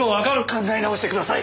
考え直してください！